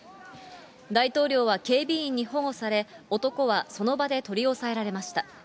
大統領は警備員に保護され、男はその場で取り押さえられました。